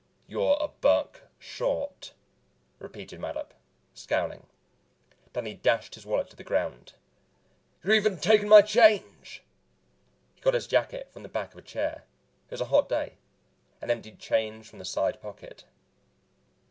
"You're a buck short," repeated Mattup, scowling. Danny dashed his wallet to the ground. "You're even taking my change!" He got his jacket from the back of a chair it was a hot day and emptied change from the side pocket.